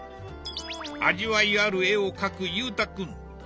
味わいある絵を描く裕太君。